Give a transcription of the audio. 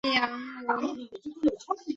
仁敦冈书室属三进两院式设计。